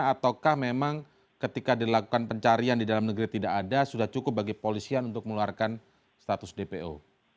ataukah memang ketika dilakukan pencarian di dalam negeri tidak ada sudah cukup bagi polisian untuk meluarkan status dpo